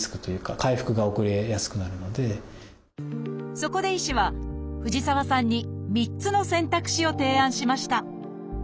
そこで医師は藤沢さんに３つの選択肢を提案しました。